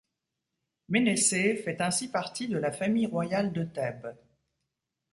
Ménécée fait ainsi partie de la famille royale de Thèbes.